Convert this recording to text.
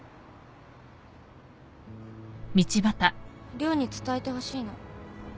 涼に伝えてほしいの。